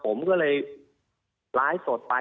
ผมก็เลยล้ายสดไป